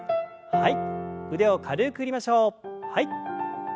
はい。